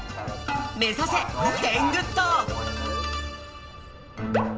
めざせテングッド！